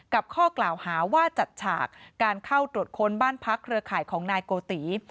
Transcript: ข้อกล่าวหาว่าจัดฉากการเข้าตรวจค้นบ้านพักเครือข่ายของนายโกติ